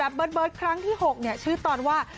คอนเซิร์ตแบบเบิร์ตเบิร์ตครั้งที่๖เนี่ยชื่อตอนว่า